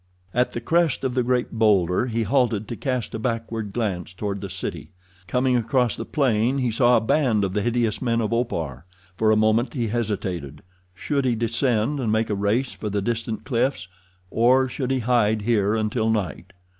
At the crest of the great bowlder he halted to cast a backward glance toward the city. Coming across the plain he saw a band of the hideous men of Opar. For a moment he hesitated. Should he descend and make a race for the distant cliffs, or should he hide here until night?